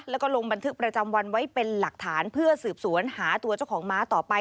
แล้วก็ลงบันทึกประจำวันไว้เป็นหลักฐานเพื่อสืบสวนหาตัวเจ้าของม้าต่อไป